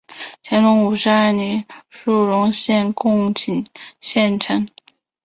乾隆五十二年署荣县贡井县丞。